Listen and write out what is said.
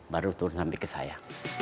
baru turun sampai ke saya